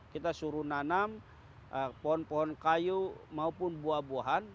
kita suruh nanam pohon pohon kayu maupun buah buahan